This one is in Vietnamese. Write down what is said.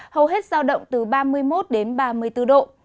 hầu hết giao động từ ba mươi một đến ba mươi bốn độ